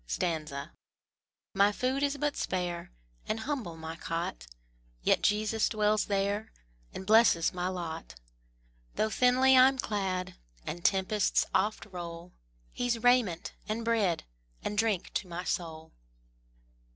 My food is but spare, And humble my cot, Yet Jesus dwells there And blesses my lot: Though thinly I'm clad, And tempests oft roll, He's raiment, and bread, And drink to my soul.